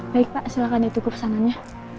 baik pak silahkan ditutup pesanannya